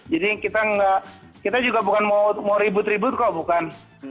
jadi kita juga bukan mau ribut ribut kok bukan